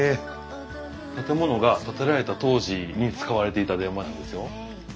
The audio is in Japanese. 建物が建てられた当時に使われていた電話なんですよ。